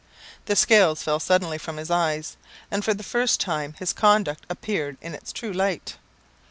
The scales fell suddenly from his eyes, and for the first time his conduct appeared in its true light.